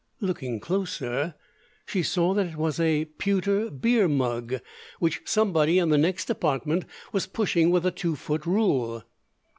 Looking closer, she saw that it was a pewter beer mug, which somebody in the next apartment was pushing with a two foot rule.